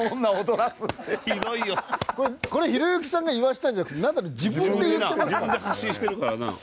これ、ひろゆきさんが言わせたんじゃなくてナダル、自分で言ってますから。